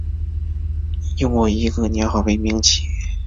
用过一个年号为明启。